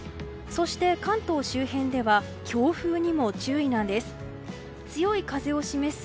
そして、関東周辺では強風にも注意なんです。